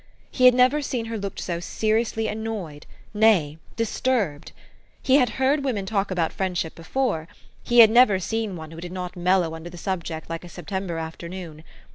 He had never seen her look so seriously annoyed, nay, disturbed. He had heard women talk about friendship before : he had never seen one who did not mellow under the subject like a September afternoon.